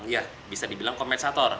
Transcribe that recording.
ya bisa dibilang kompensator